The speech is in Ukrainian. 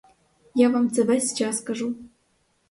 Я вам це весь час кажу.